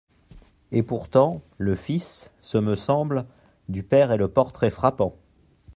Et pourtant, le fils, ce me semble, Du père est le portrait frappant !